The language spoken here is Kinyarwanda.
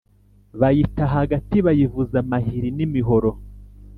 bayita hagati, bayivuza amahiri n'imihoro,